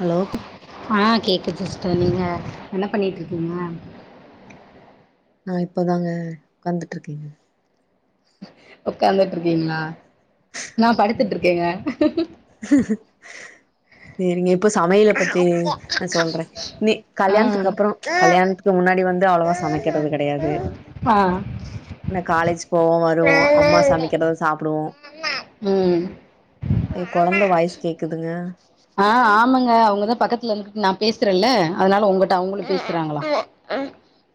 Hello ஆ கேக்குது sister நீங்க என்ன பண்ணிட்டு இருக்கீங்க நா இப்போதாங்க ஒக்காந்துட்டு இருக்கங்க ஒக்காந்துட்டு இருக்கீங்களா நா படுத்துட்டு ம் இருக்கேங்க சேரிங்க இப்ப சமயல பத்தி நா சொல்றே நீ கல்யாணத்துக்கு அப்றோ கல்யாணத்துக்கு முன்னாடி வந்து அவ்ளவா சமக்கிறது கெடையாது ஆ ந காலேஜ் போவோ வருவோ அம்மா சமக்கிறத சாப்டுவோ ம் ஏ கொழந்த வாய்ஸ் கேக்குதுங்க ஆ ஆமாங்க அவுங்கதா பக்கத்துல இருந்துட்டு நா பேசுறேல்ல அதனால ஒங்கிட்ட அவுங்களு பேசுறாங்களா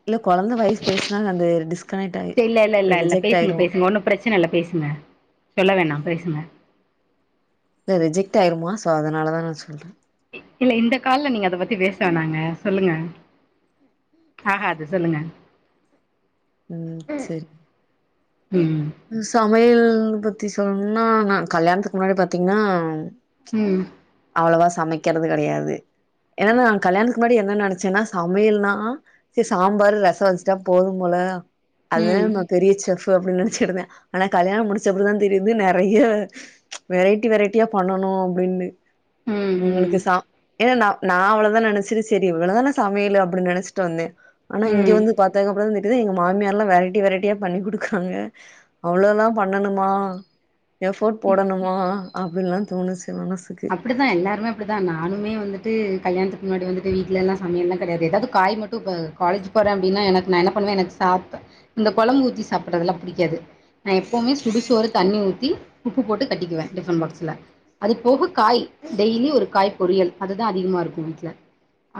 இல்ல கொழந்த வாய்ஸ் பேசினா அந்த டிஸ் சரி இல்லை இல்லை இல்லை இல்லை பேசுங்க பேசுங்க ஒன்னு பிரச்சனை இல்லை பேசுங்க சொல்ல வேண்டா பேசுங்க இல்ல ரிஜக்ட்ஆய்டுமா சோ அதனால தா நா சொல்றே இ இல்ல இந்த கால்ல நீங்க அத பத்தி பேச வேணாங்க சொல்லுங்க ஆகாது சொல்லுங்க ம் செரி ம் சமயல் பத்தி சொல்ணுன்னா நா கல்யாணத்துக்கு முன்னாடி பாத்தீங்ன்னா ம் அவ்ளவா சமக்கிறது கெடயாது என்னன்னா நா கல்யாணத்துக்கு முன்னாடி என்ன நெனச்சேன்னா சமயல் னா செரி சாம்பாரு ரசோ வச்சுட்டா போது போல அது ம் ம பெரிய செஃபு அப்டின்னு நெனச்சிட்ருந்தே ஆனா கல்யாண முடிச்சப்பறதா தெரியுது நெறைய வெரைட்டி வெரைட்டியா பண்ணணு அப்டின்னு ம் அவுங்ளுக்கு சா ஏன்னா நா நா அவ்ளதா நெனச்சட்டு செரி இவ்ளதான சமயலு அப்டினு நெனச்சிட்டு வந்தே ஆனா இங்க ம் வந்து பாத்தக் அப்றோதா தெரிது இங்க மாமியார்லா வெரைட்டி வெரைட்டியா பண்ணி குடுக்றாங்க அவ்ளோலா பண்ணணுமா எஃபோர்ட் ம் போடணுமா அப்டின்லா தோணிச்சு மனசு அப்டிதா எல்லாருமே அப்டி தா நானுமே வந்துட்டு கல்யாணத்துக்கு முன்னாடி வந்துட்டு வீட்லலாம் சமயல் லாம் கிடையாது அதாவது காய் மட்டும் இப்ப காலேஜ் போறே அப்டின்னா எனக்கு நா என்ன பண்ணுவே எனக்கு சாப் இந்த குழம்பு ஊத்தி சாப்படுறதுல்லாம் பிடிக்காது நா எப்போவுமே சுடுசோறு தண்ணி ஊத்தி உப்பு போட்டு கட்டிக்குவேன் டிஃபன் பாக்ஸ்ல அது போக காய் டெய்லி ஒரு காய் பொரியல் அதுதா அதிகமாக இருக்கும் வீட்டில்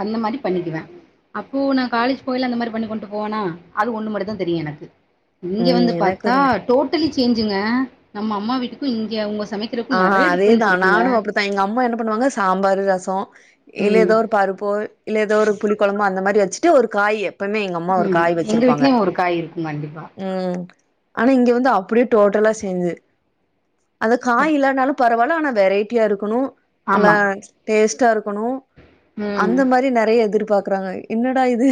அந்த மாரி பண்ணிக்குவேன் அப்போ நான் காலேஜ் போகையில அந்த மாரி பண்ணிக் கொண்டு போவனா அது ஒண்ணு மட்டுதா தெரியு எனக்கு இங்க ம் வந்து எனக்கு அது பாத்தா டோட்டலி சேஞ்சுங்க நம்ம அம்மா வீட்டுக்கும் இங்க அவுங்க சமைக் ஆ கறக்கும் நிறைய அதேதா டிஃப்ரன்ஸ் இருக் நானு அப்டித்தா எங்க அம்மா என்ன பண்ணுவாங்க சாம்பார் ரசம் இல்லே ம் ஏதோ ஒரு பருப்பு இல்லே ஏதோ ஒரு புளி கொழம்பு அந்த மாரி வச்சுட்டு ஒரு காய் எப்பவுமே எங்க அம் ம் எங்க வீட்லயும் ஒரு காய் இருக்கும் கண்டிப்பா உம் ஆனா இங்க வந்து அப்படியே டோட்டலா சேஞ்சு அந்த காய் அப் இல்லாதனாலும் பரவாயில்ல ஆனா வெரைட்டியா இருக்கணும் ஆமா நல்லா டேஸ்ட்டா இருக்கணும் ம் அந்த மாரி நிறைய எதிர்பாக்குறாங்க என்னடா இது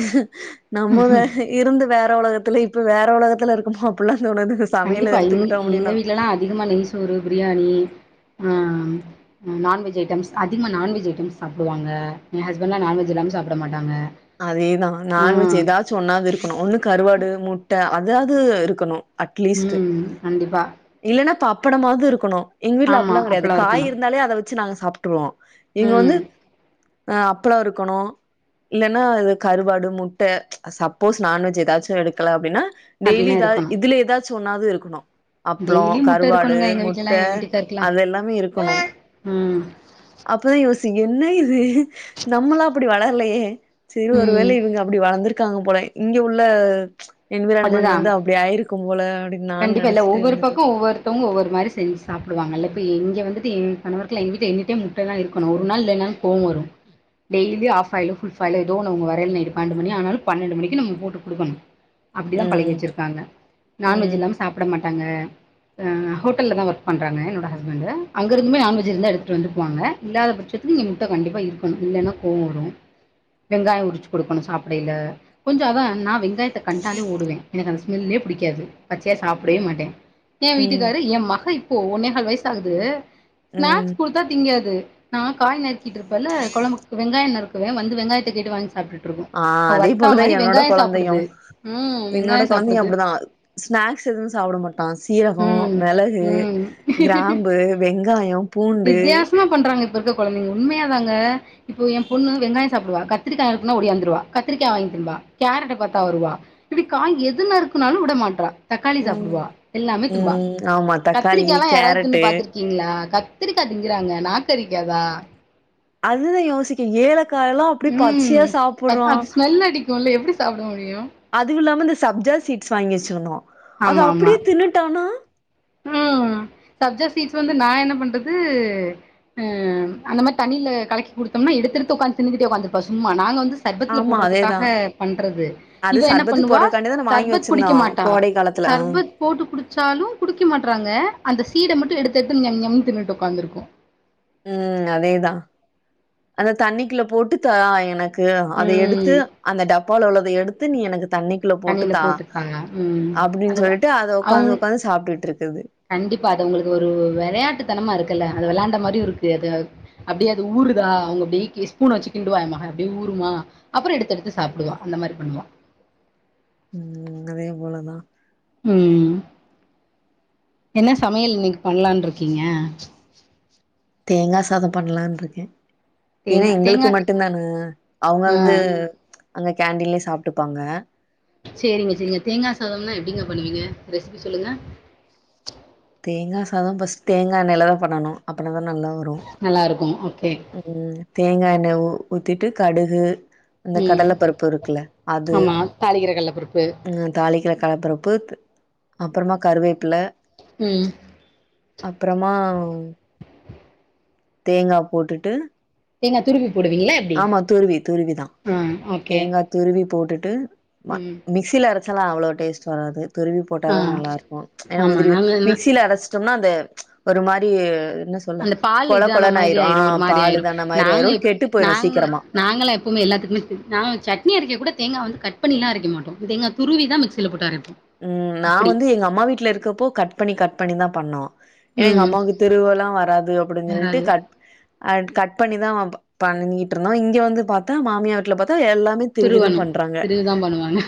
நம்ம வேற இருந்து வேற உலகத்துல இப்ப வேற உலகத்துல இருக்குமோ அப்டிலா தோணுது சமையல கண்டிப்பா எ எடுத்துக்கிட்டோ அப்டின்னா எங்க வீட்லல்லாம் அதிகமா நெய்சோறு பிரியாணி ஆ ஆ நான்வெஜ் ஐட்டம்ஸ் அதிகமா நான்வெஜ் ஐட்டம்ஸ் சாப்டுவாங்க என் ஹஸ்பண்ட்லா நான்வெஜ் இல்லாம சாப்ட மாட்டாங்க அதேதான் நான்வெஜ் ம் ஏதாச்சும் ஒன்னாவது இருக்கணும் ஒண்ணு கருவாடு முட்ட அதாவ்து இருக்கணும் அட்லீஸ்ட் உம் கண்டிப்பா இல்லன்னா பப்படமாவ்து இருக்கணும் எங்க வீட்டுல ஆமா அப்டில்லாம் கிடையாது அப்பளோ காய் இருக்கணு இருந்தாலே அத வச்சு நாங்க சாப்ட்டுருவோம் இங்க வந்து ம் அ அப்பளம் இருக்கணும் இல்லன்னா அது கருவாடு முட்ட சப்போஸ் நான்வெஜ் ஏதாச்சு எடுக்கல அப்டின்னா டெய்லி அப்டின்னா இதா இருக்கணு இதுல ஏதாச்சு ஒன்னாது இருக்கணும் அப்புளம் டெய்லி முட்ட கருவாடு இருக்கணுங்க எங்க வீட்லலா முட்ட எ வீட்டுக்காருக்குலா அதெல்லாமே இருக்கணும் ம் அப்பதா யோசி என்ன இது நம்மலாம் அப்டி வளரலையே செரி ஒரு வேள ம் இவுங்க அப்டி வளந்திருக்காங்க போல இங்க உள்ள என்விரான்மெண்ட் அதுதா வந்து அப்டி ஆயிருக்கும் போல அப்டின்னு நான் கண்டிப்பா இல்ல நினைச்சிட்டு ஒவ்வொரு இருந்துட்டு பக்கோ ஒவ்வொருத்தவங்க ஒவ்வொரு மிதிரி செஞ்சு சாப்டுவாங்களா இப்ப இங்க வந்துட்டு என் கணவர்க்கு எல்லா எங் வீட்ல எனிடைம் முட்டலா இருக்கணும் ஒரு நாள் இல்லனா கோவொ வரு டெயலி ஆஃப்ஃபாயில் ஃபுல்ஃபாயில் எதோ ஒன்னு அவுங்க வரயில நைட் பன்ட்டு மணி ஆனாலு பன்னெண்ட்டு மணிக்கு நம்ம போட்டு கொடுக்கணும் அப்டிதான் பழகி ம் வச்சிருக்காங்க நான்வெஜ் ம் இல்லாம சாப்ட மாட்டாங்க அ ஹோட்டல் தா ஒர்க் பண்றாங்க என்னோட ஹஸ்பண்டு அங்க இருந்துமே நான்வஜ் இருந்தி எடுத்துட்டு வந்துக்குவாங்க இல்லாத பட்சத்துக் நீ முட்ட கண்டிப்பாக இருக்கணும் இல்லன்னா கோவொ வரு வெங்காயம் உரிச்சு கொடுக்கணும் சாப்பிடையில கொஞ்ச அதா நா வெங்காயத்த க லு ஓடுவே எனக்கு அந்த ஸ்மெல்லே புடிக்காது பச்சயா சாப்டே மாட்டே என் ம் வீட்டுக்காரு என் மகே ஒன்னே கால் வயசு ஆகுது ம் ஸ்நாக்ஸ் கொடுத்தா திங்காது நான் காய் நறு க்கிட்டு இருப்பல கொழம்புக்கு வெங்காயம் நறுக்குவே வந்து வெங்காயத்த கேட்டு வாங்கி சாப்ட்டுட் ஆ அதே போலதான் என்னோட கொழந்தையும் ம் என்னோட வெங்காயோ கொழந்தையும் சாப்புடுது அப்டிதான் ஸ்நாக்ஸ் எதுவும் சாப்ட மாட்டான் சீரகொ ம் மிளகு ம் கிராம்பு வெங்காயம் பூண்டு இதா பண்றாங்க இப்ப இருக்க கொழந்தைங்க உண்மையா தாங்க இப்போ என் பொண்ணு வெங்காயொ சாப்புடுவா கத்திரிக்கா நறுக்குனா ஓடியாந்துருவா கத்திரிக்கா வாங்கி திண்பா கேரட்ட பாத்தா வருவா இப்டி கா எது நறுக்குனாலும் விட மாட்றா தக்காளி ம் சாப்புடுவா எல்லாமே திம்பா ம் ஆமா தக்காளி கத்திரிக்கா எல்லாம் யாராவ்து தின்னு கேரட்டு பாத்திருக் கீங்களா கத்திரிக்கா திங்கறாங்க நாக்கு அரிக்காதா அதுதான் யோசிக்க ஏலக்காயல்லா அப்டி உம் பச்சையா தக்கா சாப்புட்றா அது ஸ்மெல் அடிக்கும்ல்ல எப்டி சாப்ட முடியும் அதுவு இல்லாம இந்த சப்ஜா சீ்ட்ஸ் வாங்கி வச்சுக்கனு ஆமா ஆமா ம் சப்ஜா ஸீட்ஸ் வந்து நா என்ன பண்றது அ ம் அந்த மாரி தண்ணில கலக்கி குடுத்தோம்னா எடுத்தெடுத்து ஒக்காந்து தின்னுகிட்டே ஒங்காந்துருப்பா சும்மா நாங்க வந்து சர்பத்துல்ல ஆமா அதேதா போடுறதுக்காக பண்றது அது இவ என்ன சர்பத்துக்கு பண்ணுவா போடுறதுக்காண்டிதா நா வாங்கி சர்பத் வச்சிருந்தோ குடிக்க மாட்டா கோடை காலத்துல ஆ சர்பத் போட்டு குடுச்சாலு குடிக்க மாட்றாங்க அந்த சீட மட்டு எடுத்தெட்த்து ஞம்ஞம்ன் தின்னுட்டு ஒக்காந்துருக்கு ம் அதேதா அந்த தண்ணிக்குள்ள போட்டு தா எனக் கு அத எடுத்து ம் அந்த டப்பால உள்ளத எடுத்து நீ எனக்கு தண்ணி குள்ள போட்டு தண்ணில தா போட்டுருக்காங்க ம் அப்டினு அது சொல்ட்டு அத அவங்க ஒக்காந்து ஒக்காந்து சாப்ட்டுட்டு இருக்குது கண்டிப்பா அத ஒங்களுக்கு ஒரு வெளயாட்டுத்தனமா இருக்குல அது வெளாண்ட மாரியு இருக்கு அது அப்டியே அது ஊருதா அவுங்க அப்டே கி ஸ்பூன வச்சு கிண்டுவா எம்மக அப்டியே ஊருமா அப்பறொ எடுத்து எடுத்து சாப்டுவா அந்த மாரி பண்ணுவா ம் அதே போல தா ம் ம் என்ன சமயல் இன்னக்கி பண்லானு இருக்கீங்க தேங்கா சாதொ பண்ணலான்ருக்கே ஏன்னா தேங்கா எங்களுக்கு தேங்கா மட்டு தான அவுங்க ஆ வந்து அங்க கேண்டின்லே சாப்ட்டுப்பாங்க சேரிங்க சேர்ங்க தேங்கா சாதம்னா எப்டிங்க பண்ணுவீங்க ரெசிபி சொல்லுங்க தேங்கா சாதொ பஸ்ட்டு தேங்கா எண்ணையில தா பண்ணனா அப்பனா தா நல்லா வரு நல்லாருக்கு ஓகே அது தேங்கா எண்ணெ ஊத்திட்டு கடுகு அந்த ம். கடல பருப்பு இருக்குல அது ஆமா. தாளிக்கிற கல்லப்பருப்பு ம் தாளிக்கிற கடலபருப்பு அப்பறமா கறுவேப்பில ம் அப்பறமா தேங்கா போட்டுட்டு தேங்க துருவி போடுவிங்களா ஆமா துருவி துருவிதா ம் தேங்கா துருவி போட்டுட்டு ம ம். மிக்சில அரச்சாலா அவ்ளோ டேஸ்ட் வராது துருவி ஆ போட்டாதா நல்லா இருக்கு ஏன்னா ஆமா. உதிரி உதி நாங்க மிக்சில அரச் சொம்னா அந்த ஒரு மாரி என்ன சொல்ல அந்த பால் கொழ இதான கொழனு மாதிரி ஆயிரு ஆ ஆயிரும் ஒரு மாரி பாலு தான மாரி ஆயிரு கெட்டு போயிரு சீக்கரமா நாங்களா எப்பவுமே எல்லாத்துக்குமே செரி நாங்க சட்னி அரைக்க கூட தேங்கா வந்து கட் பண்ணில்லா அரைக்க மாட்டோ தேங்கா துருவி தா மிக்சில போட்டு அரைப்போ ம் நா அப்டி வந்து எங்க அம்மா வீட்ல இருக்கப்போ கட் பண்ணி கட் பண்ணிதா பண்ணோ எனா எங்க ம் அம்மாவ்க்கு திருவொல்லா வராது அப்டின் சொல்ட்டு வராது கட் அட் கட் பண்ணிதா பண்ணிட்டு இருந்தோ இங்க வந்து பாத்தா மாமியா வீட்ல பாத்தா எல்லாமே திருகிதா திருவணு பண்றாங்க திருவிதா பண்ணுவாங்க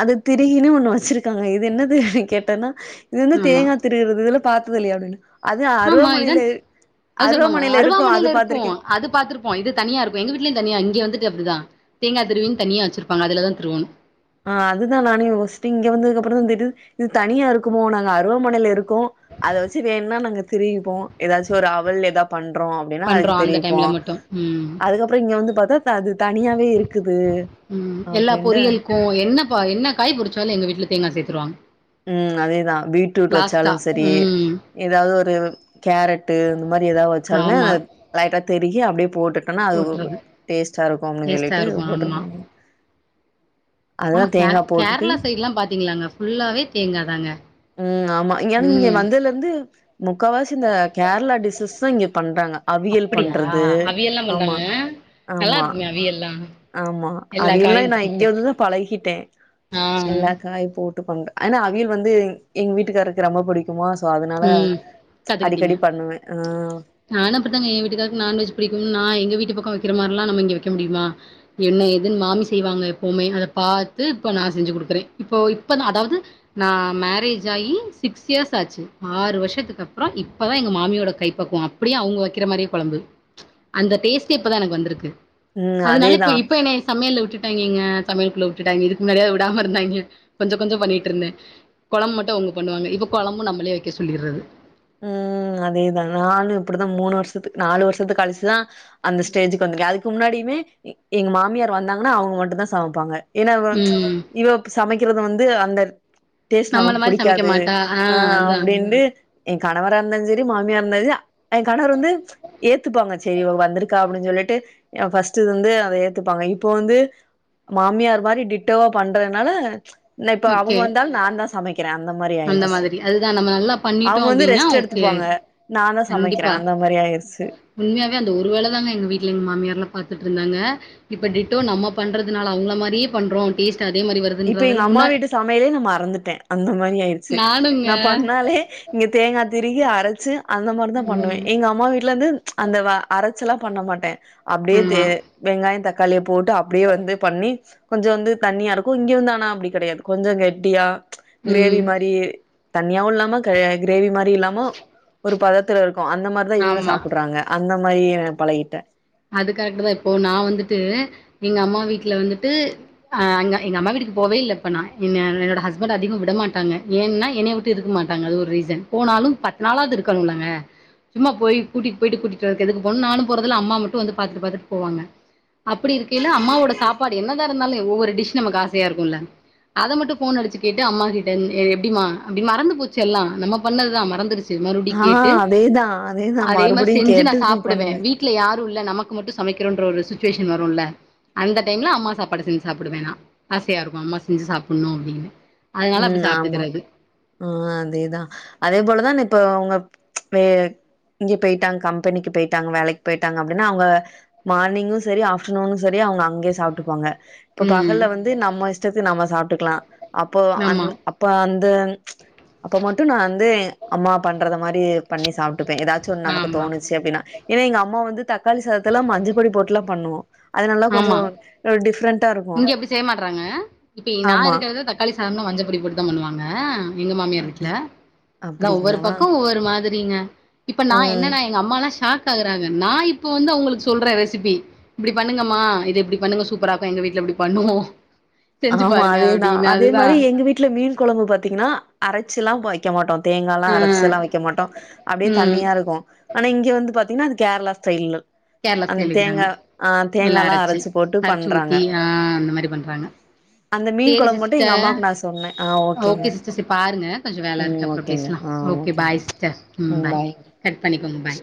அது திருகினு ஒண்ணு வச்சுருக்காங்க இது என்னதுனு கேட்டன்னா இது வந்து ஆமா தேங்கா திருகுறது இதல்லா பாத்ததில்லயா அப்டின்னு அது ஆமா இதான் அருவாமனைல அது சொல்லுவாங்க அருவாமனைல இருக்கு அது இருக்கு பாத்துருக்கே அது பாத்துருப்போ இது தனியா இருக்கு எங்க வீட்லயு தனியா இங்கெ வந்துட்டு அப்டிதா தேங்கே திருவினு தனியா வச்சுருப்பாங்க அதுல தா திருவனு ஆ அதுதா நானு யோஸ்ட்டு இங்க வந்ததுகப்பறந்தா தெரிது இது தனியா இருக்குமோ நாங்க அருவாமனேல இருக்கோ அத வச்சு வேனுனா நாங்க திருவிப்போ எதாச்சு ஒரு அவல் எதா பண்றோ அப்டினா பண்றோ அதுக்கு அந்த திரிவிப்போ டைம்ல மட்டு ம் அதுக்கப் அப்பறோ இங்க வந்து பாத்தா த அது தனியாவே இருக்குது ம் எல்லா அப்டின்ட்டு பொரியலுக்கு என்ன ப என்ன காய் பொருச்சாலு எங்க வீட்ல தேங்கா சேத்துருவாங்க ம் அதேதா பீட்ரூட் லாஸ்ட்டா வச்சாலு செரி ம் ஏதாவது ஒரு கேரட் டு இந்த மாரி ஏதாவது வச்சாலுமே ஆமா [unintelligible] லைட்டா திருகி அப்டியே போட்டுட் டனா அது ஒ போட்ருது டேஸ்ட்டா இருக்கு அப்டின்னு டேஸ்ட்டா சொல்லிட்டு இருக்கு ஆமா போட்ருபாங்க ஆமா கேரளா கேரளா சைடல்லா பாத்தீங்களாங்க ஃபுல்லாவே தேங்காதாங்க ம் ஆமா இங்யானா இங்க ம் வந்ததுல இருந்து முக்காவாசி இந்த கேரளா டிஷ்ஷஸ் தா இங்க பண்றாங்க அவியல் அப்டியா பண்றது அவியல்லா ஆமா பண்றாங்க நல்லா ஆமா இருக்குமே அவியல்லா ஆமா எல்லா அவியல்லா காயு நா இங்க போட்டு வந்துதா பழகிட்டே ஆ எல்லா காயு போட்டு பண்ற ஏனா அவியல் வந்து எங்க வீட்டுக்காருக்கு ரொம்ப புடி க்குமா சோ அதுனால ம் அடிக்கடி பண்ணுவே ஆ நானு அப்புடித்தாங்க ஏ வீட்டுக்காருக்கு நான்வெஜ் புடிக்குனு நா எங்க வீட்டு பக்கோ வைக்கற மாரிலா நம்ம இங்க வைக்க முடியுமா என்ன ஏதுன்னு மாமி செய்வாங்க எப்பவுமே அத பாத்து இப்ப நா செஞ்சு குடுக்குறே இப்போ இப்பதா அதாவது நா மேரேஜ் ஆயி சிக்ஸ் இயர்ஸ் ஆச்சு ஆறு வருஷத்துக்கு அப்பறோ இப்பதா எங்க மாமியோட கை பக்குவோ அப்டியே அவுங்க வைக்கிற மாரியே கொழம்பு அந்த டேஸ்ட்டே இப்பதா எனக்கு வந்துருக்கு ம் அதுனால இப்ப அதேதான். இப்ப என்னய சமையல்ல விட்டுட்டாய்ங்கங்க சமயல்க்குள்ள விட்டுட்டாய்ங்க இதுக்கு முன்னாடியாது விடாம இருந்தாய்ங்க கொஞ்சோ கொஞ்சோ பண்ணிட்ருந்தே கொழம்பு மட்டு அவுங்க பண்ணுவாங்க இப்ப கொழம்பு நம்மளே வைக்க சொல்லிற்றது ம் அதேதா நானு இப்டிதா மூணு வருஷத்துக்கு நாலு வருஷத்துக்கு கழுச்சுதா அந்த ஸ்டேஜுக்கு வந்துருக்கே அதுக்கு முன்னாடியுமே எங்க மாமியார் வந்தாங்கன்னா அவுங்க மட்டுந்தா சமப்பாங்க ஏனா இவ ம். இவ சமைக்கிறது வந்து அந்த டேஸ்ட் நம்மள நமக்கு மாரி சமைக்க புடிக்காது மாட்டா ஆ அதுதா அப்டின்னு எ கணவரா இருந்தாலு சரி மாமியா இருந்தாலு சரி எ கணவர் வந்து ஏத்துப்பாங்க செரி இவ வந்துருக்கா அப்டின்னு சொல்லிட்டு எ ஃபஸ்ட் இது வந்து அத ஏத்துப்பாங்க இப்போ வந்து மாமியார் மாரி டிட்டோவா பண்றனால இன்ன இப்ப ஓகே அவுங்க வந்தாலு நா தா சமைக்கிறே அந்த மாரி அந்த ஆயிருச்சு மாதிரி அதுதா நம்ம நல்லா பண்ணிட்டோ அவுங்க வந்து அப்டின்னா ரெஸ்ட் ஓகே எடுத்துப்பாங்க ஆயிரு நா தா சமைக்கிறே கண்டிப்பா அந்த மாரி ஆயிருச்சு உண்மையாவே அந்த ஒரு வேல தாங்க எங்க வீட்ல எங்க மாமியார்லா பாத்துட்ருந்தாங்க இப்ப டிட்டோ நம்ம பண்றதுனால அவுங்கள மாரியே பண்றோ டேஸ்ட் அதே மாரி வரு இப்ப எங்க அம்மா வீட்டு சமையலே நம்ம மறந்துட்டே அந்த மாரி ஆயிருச்சு நானுங்க நா பண்ணாலே இங்க தேங்கா திருகி அரச்சு அந்த மாரிதா பண்ணுவே ம் எங்க அம்மா வீட்ல வந்து அந்த வ அரச்சல்லா பண்ண மாட்டே அப்டியே தே ஆமா வெங்காயோ தக்காளிய போட்டு அப்டியே வந்து பண்ணி கொஞ்சோ வந்து தண்ணியா இருக் கு இங்க வந்து ஆனா அப்டி கெடையாது கொஞ்சோ கெட்டியா கிரேவி ம் மாரியே தண்யாவு இல்லாம க கிரேவி மாரியு இல்லாம ஒரு பதத்துல இருக்கு அந்த மாரிதா இவுங்க ஆமா சாப்புட்றாங்க அந்த மாரியே பழகிட்டே அது கரெக்ட் தா இப்போ நா வந்துட்டு எங்க அம்மா வீட்ல வந்துட்டு ஆ அங்க எங்க அம்மா வீட்டுக்கு போவே இல்ல இப்ப நா என்ன என்னோட ஹஸ்பண்ட் அதிகமா விடமாட்டாங்க ஏன்னா என்னய விட் டு இருக்க மாட்டாங்க அது ஒரு ரீசன் போனாலு பத்து நாளாவது இருக்கனுலங்க சும்மா போய் கூட்டிட் போயிட்டு கூட்டிட் வறதுக் எதுக்கு போணு நானு போறதுல அம்மா மட்டு வந்து பாத்துட்டு பாத்துட்டு போவாங்க அப்டி இருக்கையில அம்மாவோட சாப்பாடு என்னதா இருந்தாலு ஒவ்வொரு டிஷ் நமக்கு ஆசையா இருக்குல்ல அத மட்டு ஃபோன் அடிச்சு கேட்டு அம்மா கிட்ட இருந் எப்டிமா அப்டினு மறந்து போச்சு எல்லா நம்ம பண்ணதுதா மறந்துருச் ச்சு மறுபடி ஆ கேட்டு அதேதா அதேதா அதே மாரி மறுபடியு செஞ்சு நா கேட்டு சாப்டுவே பண்ணுவே வீட்ல யார் ரு இல்ல நமக்கு மட்டு சமைக்கிறோன்ற ஒரு சுச்சுவேஷன் வருல்ல அந்த டைம்ல அம்மா சாப்பாடு செஞ்சு சாப்டுவே நா ஆசையா இருக்கு அம்மா செஞ்சு சாப்ணு அப்டினு ம் ஆமா ஆ அதேதா அதே போலதானே இப்ப அவங்க வே எங்யோ போயிட்டாங்க கம்பெனிக்கு போயிட்டாங்க வேலைக்கு போயிட்டாங்க அப்டினா அவுங்க மார்னிங்கு செரி ஆப்டர்நூனு செரி அவுங்க அங்கயே சாப்டுக்குவாங்க இப்ப ம் பகல்ல வந்து நம்ம இஷ்டத்துக்கு நம்ம சாப்டுக்கலா அப்போ அந் ஆமா அப்ப அந்த அப்ப மட்டு நா வந்து அம்மா பண்றத மாரி பண்ணி சாப்டுப்பே ஏதாச் சோ நமக்கு ஆமா தோணுச்சு அப்டின்னா ஏனா எங்க அம்மா வந்து தக்காளி சாதத்துல்ல மஞ்ச பொடி போட்லா பண்ணுவோ அதுனால ஆமா கொஞ்ச டிஃப்ரெண்ட்டாருக்கு இங்க அப்டி செய்ய மாட்றாங்க இப்ப நா ஆமா இருக்கிறது தக்காளி சாதம்லா மஞ்சபொடி போட்டுதா பண்ணுவாங்க எங்க மாமியார் வீட்ல அப்டி அதா ஒவ்வொரு அப்டிங்களா பக்கோ ஒவ்வொரு மாதி ரிங்க இப்ப நா ம் என்னனா எங்க அம்மாலா ஷாக் ஆகுறாங்க நா இப்ப வந்து அவுங்களுக்கு சொல்றே ரெசிபி ணுங்கம்மா இது இப்டி பண்ணுங்க சூப்பராக்கு எங்க வீட்ல இப்டி பண்ணுவோ செஞ்சு ஆமா பாருங்க அதேதா அப்டின்னு அதே அதுதா மாரி எங்க வீட்ல மீன் கொழம்பு பத்தீங்னா அரச்சில்லா வைக் க்க மாட்டோ தேங்கால்லா ஆ அரச்செல்லா வைக்க மாட்டோ அப்டியே ம் தண்ணியாருக்கு ஆனா இங்க வந்து பாத்தீங்னா அது கேர்ளா ஸ்டைல்னு கேரளா அந்த் ஸ்டைல் வைக்கிறாங்க தேங்கா அ தேங்கால்லா அரச்சு போட்டு பண்றாங்க அ அந்த மாரி பண்றாங்க அந்த மீன் சேரி கொழம்பு மட்டும் எங்க சிஸ்டர் அம்மாவுக்கு நான் சொன்னேன். ஆ ஓகேங்க. ஓகே சிஸ்டர் செரி பாருங்க கொஞ்ச ம் வேலருக்கு அப்புற ஓகேங்க. பேசலா ஆ ஓகே ஓகேங்க. பாய் சிஸ்டர் ம் பாய் கட் பண்ணிக்கோங்க பாய்